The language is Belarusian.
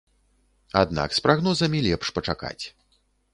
Аднак з прагнозамі лепш пачакаць.